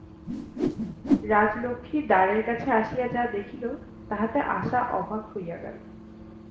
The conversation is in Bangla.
রাজলক্ষ্মীর দ্বারের কাছে আসিয়া যাহা দেখিল, তাহাতে আশা অবাক হইয়া গেল।